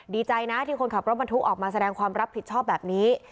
ดีใจนะที่คนขับรถบรรทุกออกมาแสดงความรับผิดชอบแบบนี้